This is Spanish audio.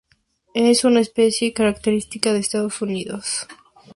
Es una especie característica de Estados Unidos.